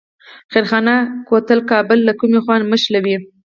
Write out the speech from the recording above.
خیرخانه کوتل کابل له کومې خوا نښلوي؟